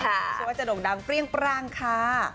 ช่วยจะดูดังเปรี้ยงปรั่งค่ะ